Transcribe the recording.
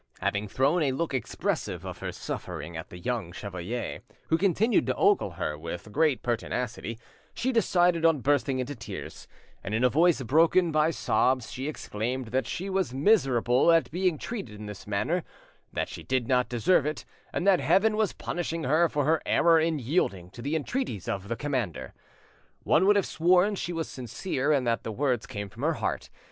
Having thrown a look expressive of her suffering at the young chevalier, who continued to ogle her with great pertinacity, she decided on bursting into tears, and in a voice broken by sobs she exclaimed that she was miserable at being treated in this manner, that she did not deserve it, and that Heaven was punishing her for her error in yielding to the entreaties of the commander. One would have sworn she was sincere and that the words came from her heart.